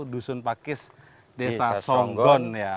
dusun pakis desa songgon